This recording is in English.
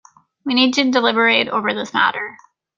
We need to deliberate over this matter.